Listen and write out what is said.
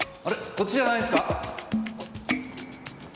こっちじゃないんすか？